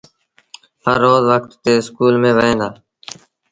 هر روز وکت ٿي اسڪول ميݩ وهيݩ دآ۔